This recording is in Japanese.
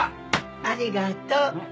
ありがとう。